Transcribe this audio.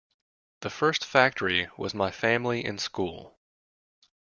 The first factory was my family and school.